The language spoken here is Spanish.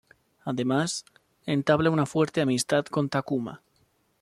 Además, entabla una fuerte amistad con Takuma.